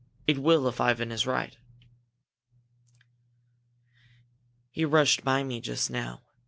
It will if Ivan is right." "He rushed by me just now.